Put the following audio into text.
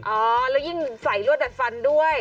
อ๋อแล้วยิ่งใส่รวดดัดฟันด้วย